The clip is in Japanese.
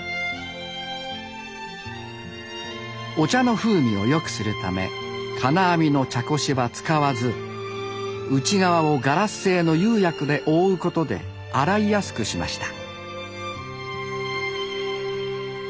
お茶の風味を良くするため金網の茶こしは使わず内側をガラス製の釉薬で覆うことで洗いやすくしました。